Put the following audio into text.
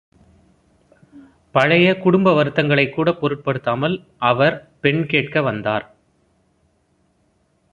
பழைய குடும்ப வருத்தங்களைக்கூடப் பொருட்படுத்தாமல் அவர் பெண் கேட்க வந்தார்.